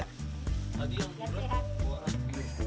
tadi yang murah buaya